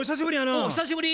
おう久しぶり。